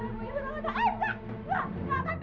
ini harus dianggap